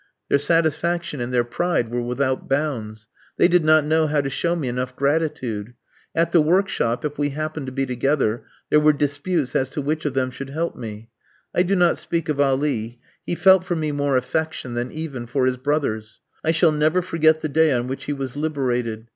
Their satisfaction and their pride were without bounds. They did not know how to show me enough gratitude. At the workshop, if we happened to be together, there were disputes as to which of them should help me. I do not speak of Ali, he felt for me more affection than even for his brothers. I shall never forget the day on which he was liberated.